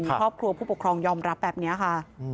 ครอบครัวผู้ปกครองยอมรับแบบนี้ค่ะ